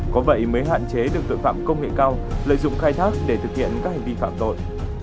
có vậy mới hạn chế được tội phạm công nghệ cao lợi dụng khai thác để thực hiện các hành vi phạm tội